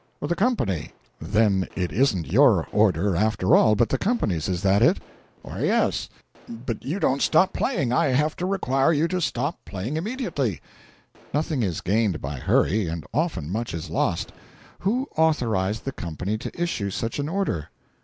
'The company.' 'Then it isn't your order, after all, but the company's. Is that it?' 'Yes. But you don't stop playing! I have to require you to stop playing immediately.' 'Nothing is gained by hurry, and often much is lost. Who authorised the company to issue such an order?'